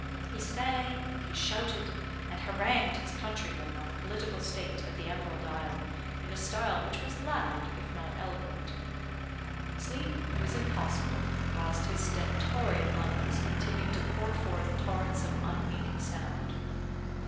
He sang, he shouted, and harangued his countrymen on the political state of the Emerald Isle, in a style which was loud if not eloquent. Sleep was impossible, whilst his stentorian lungs continued to pour forth torrents of unmeaning sound.